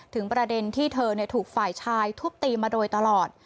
ประเด็นที่เธอถูกฝ่ายชายทุบตีมาโดยตลอด